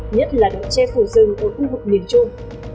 nhất là độ che phủ rừng ở khu vực miền trung